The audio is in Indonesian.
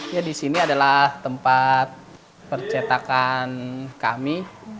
ya di sini adalah tempat percetakan kami